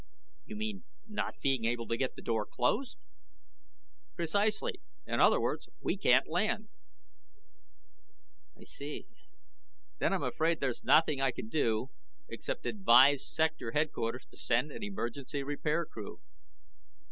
"You mean not being able to get the door closed?" "Precisely. In other words, we can't land." "I see. Then I'm afraid there's nothing I can do except advise Sector Headquarters to send an emergency repair crew."